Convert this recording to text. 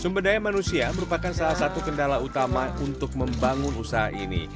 sumber daya manusia merupakan salah satu kendala utama untuk membangun usaha ini